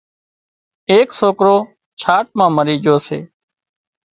ايڪ سوڪرو ڇاٽ مان مري جھو سي